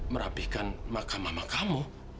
merapikan makam mama kamu